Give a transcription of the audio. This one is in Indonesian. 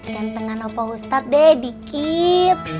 gantengan opa ustaz deh dikit